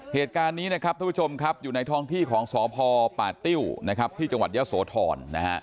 เหตุการณ์นี้นะครับทุกผู้ชมครับอยู่ในท้องที่ของสภปาติ้วที่จังหวัดยะโสถร